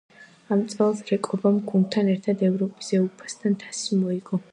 ამ წელს რეკობამ გუნდთან ერთად ევროპის უეფა-ს თასი მოიგო.